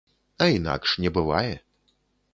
А інакш не бывае.